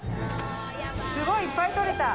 すごいいっぱい取れた。